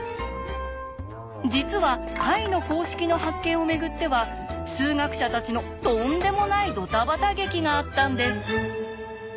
実は解の公式の発見をめぐっては数学者たちのとんでもないドタバタ劇があったんです。